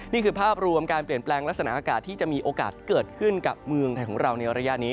นี่คือภาพรวมการเปลี่ยนแปลงลักษณะอากาศที่จะมีโอกาสเกิดขึ้นกับเมืองไทยของเราในระยะนี้